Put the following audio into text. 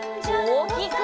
おおきく！